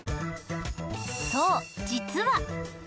そう実は。